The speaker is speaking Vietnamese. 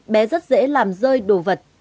bé rất dễ làm rơi đồ vật